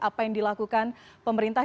apa yang dilakukan pemerintah